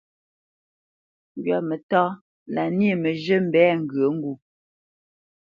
Ŋgwamǝtá lâ nyé mǝ́zhǝ̂ mbɛ ŋgyǝ ŋgû.